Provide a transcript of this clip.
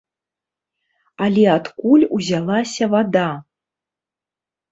Але адкуль узялася вада?